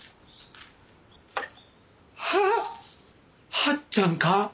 八っちゃんか？